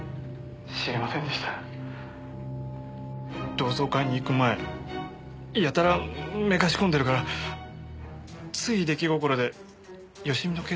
同窓会に行く前やたらめかし込んでるからつい出来心で佳美の携帯覗いたんです。